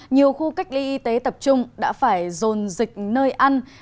nhiều khu cách ly y tế tập trung đã phải dồn dịch nơi ăn